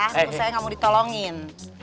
tunggu saya gak mau ditolongin